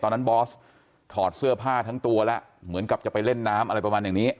บอสถอดเสื้อผ้าทั้งตัวแล้วเหมือนกับจะไปเล่นน้ำอะไรประมาณอย่างนี้